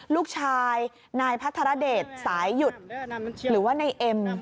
ลูกชายนายพัทรเดชสายหยุดหรือว่านายเอ็ม